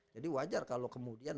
jadi wajar kalau kemudian